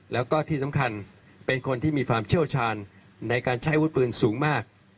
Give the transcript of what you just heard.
แล้วก็ที่สำคัญเป็นคนที่มีความเชี่ยวชาญในการใช้วุฒิปืนสูงมาก